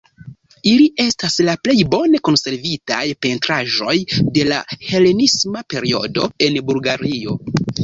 Ili estas la plej bone konservitaj pentraĵoj de la helenisma periodo en Bulgario.